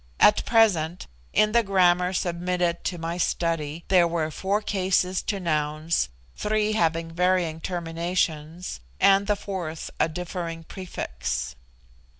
At present, in the Grammar submitted to my study, there were four cases to nouns, three having varying terminations, and the fourth a differing prefix.